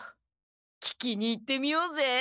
聞きに行ってみようぜ。